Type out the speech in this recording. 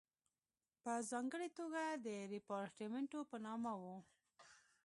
په ځانګړې توګه د ریپارټیمنټو په نامه وو.